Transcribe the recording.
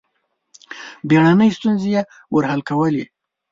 بېړنۍ ستونزې یې ور حل کولې.